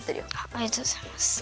ありがとうございます。